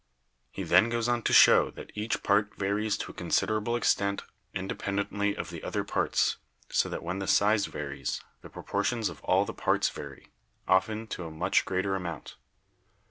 He then goes on to show that each part varies to a consider able extent independently of the other parts, so that when the size varies, the proportions of all the parts vary, often to a much greater amount.